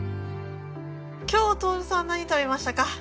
今日徹さん何食べましたか？